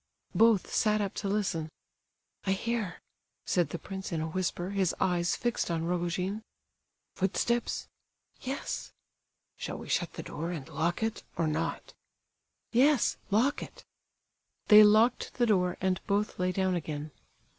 Both sat up to listen. "I hear," said the prince in a whisper, his eyes fixed on Rogojin. "Footsteps?" "Yes." "Shall we shut the door, and lock it, or not?" "Yes, lock it." They locked the door, and both lay down again.